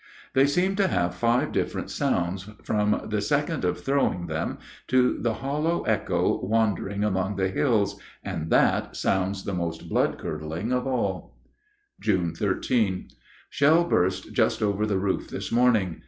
They seem to have five different sounds from the second of throwing them to the hollow echo wandering among the hills, and that sounds the most blood curdling of all. June 13. Shell burst just over the roof this morning.